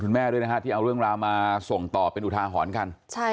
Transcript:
แม่ด้วยนะฮะที่เอาเรื่องราวมาส่งต่อเป็นอุทาหรณ์กัน